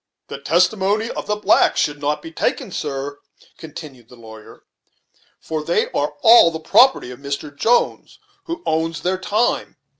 "The testimony of the blacks could not be taken, sir," continued the lawyer, "for they are all the property of Mr. Jones, who owns their time.